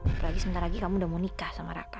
apalagi sebentar lagi kamu udah mau nikah sama raka